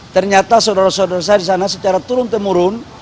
ternyata saudara saudara saya di sana secara turun temurun